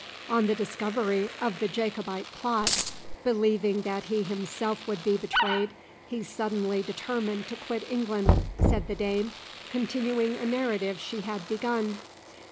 "On the discovery of the Jacobite plot, believing that he himself would be betrayed, he suddenly determined to quit England," said the dame, continuing a narrative she had begun.